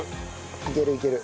いけるいける。